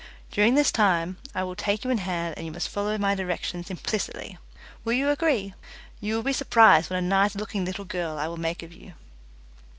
During this time I will take you in hand, and you must follow my directions implicitly. Will you agree? You will be surprised what a nice looking little girl I will make of you."